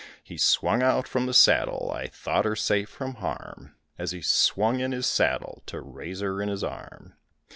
He swung out from the saddle, I thought her safe from harm, As he swung in his saddle to raise her in his arm.